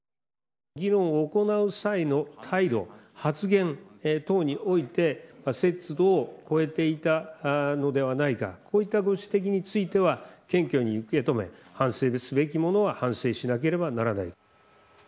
議論を行う際の配慮、発言等において節度を超えていたのではないか、こういったご指摘については謙虚に受け止め、反省すべきものは反省しなければならない。